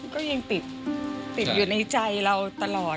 ก็ยังติดอยู่ในใจเราตลอด